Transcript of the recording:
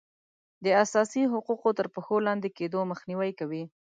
د اساسي حقوقو تر پښو لاندې کیدو مخنیوی کوي.